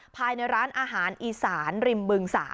ภายในร้านอาหารอีสานริมบึง๓